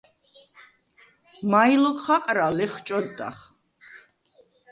“მაჲ ლოქ ხაყრა?” ლეხჭოდდახ.